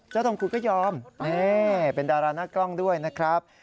เจ้าทองคูณก็ยอมเป็นดารานักกล้องด้วยนะครับ